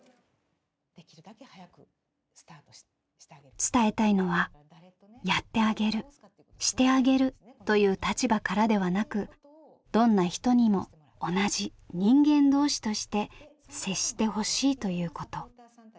伝えたいのは「やってあげるしてあげる」という立場からではなくどんな人にも同じ人間同士として接してほしいということ。